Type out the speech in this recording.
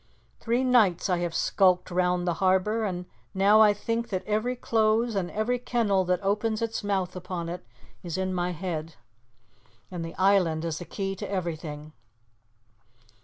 Three nights I have skulked round the harbour, and now I think that every close and every kennel that opens its mouth upon it is in my head. And the island is the key to everything."